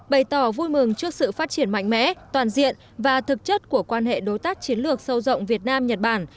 bày tỏ vui mừng trước sự phát triển mạnh mẽ toàn diện và thực chất của quan hệ đối tác chiến lược sâu rộng việt nam nhật bản